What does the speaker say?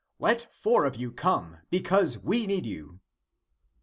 Let four of you come, because we need you